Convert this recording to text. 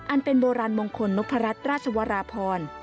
อันเป็นโบราณมงคลนพรัชราชวราพร